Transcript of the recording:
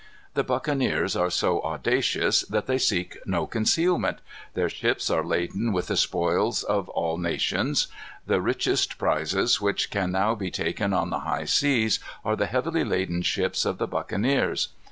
"The buccaneers are so audacious that they seek no concealment. Their ships are laden with the spoil of all nations. The richest prizes which can now be taken on the high seas are the heavily laden ships of the buccaneers.